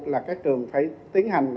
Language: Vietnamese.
là các trường phải tiến hành